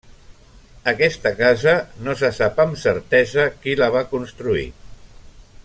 Aquesta casa, no se sap amb certesa qui la va construir.